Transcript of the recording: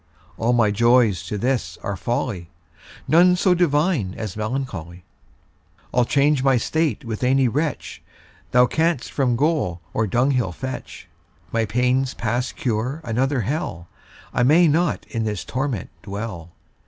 All my joys to this are folly, None so divine as melancholy. I'll change my state with any wretch, Thou canst from gaol or dunghill fetch; My pain's past cure, another hell, I may not in this torment dwell!